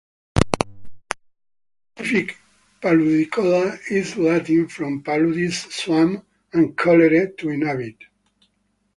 The specific "paludicola" is Latin, from "paludis", "swamp", and "colere", "to inhabit".